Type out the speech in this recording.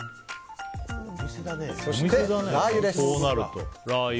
そして、ラー油です。